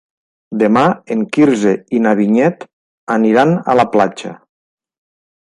Demà en Quirze i na Vinyet aniran a la platja.